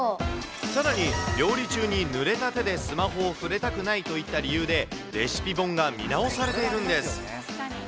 さらに、料理中にぬれた手でスマホを触れたくないといった理由で、レシピ本が見直されているんです。